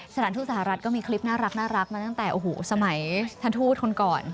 สถานทูตสหรัฐก็มีคลิปน่ารักมาตั้งแต่สมัยท่านทูตคนก่อน